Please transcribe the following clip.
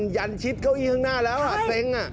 ยันชิดเก้าอี้ข้างหน้าแล้วเซ้ง